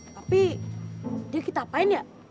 tapi dia kita apain ya